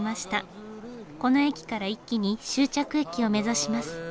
この駅から一気に終着駅を目指します。